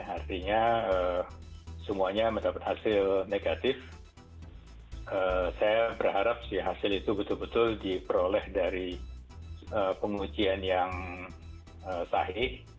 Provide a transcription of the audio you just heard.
artinya semuanya mendapat hasil negatif saya berharap si hasil itu betul betul diperoleh dari pengujian yang sahih